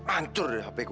ancur deh hp gua